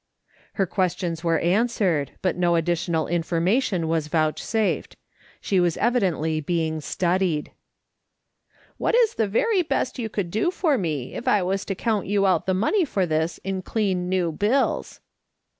Her questions were answered, but no additional information was vouchsafed ; she was evidently being studied. " What is the very best you could do for me if I was to count you out the money for this in clean new bills